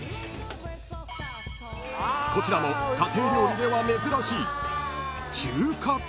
［こちらも家庭料理では珍しい］